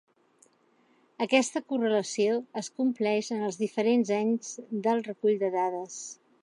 Aquesta correlació es compleix en els diferents anys del recull de dades.